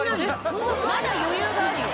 まだ余裕があるよ。